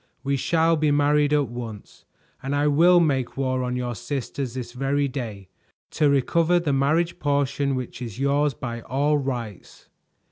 We shall be married at once, and I will make war on your sisters this very day, to recover the marriage portion which is yours by all rights."